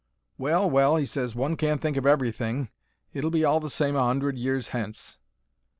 "Well, well," he ses, "one can't think of everything. It'll be all the same a hundred years hence."